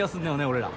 俺ら。